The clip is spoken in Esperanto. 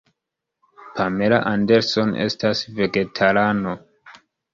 Pamela Anderson estas vegetarano.